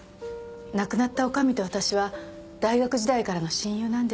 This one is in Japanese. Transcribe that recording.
亡くなった女将と私は大学時代からの親友なんです。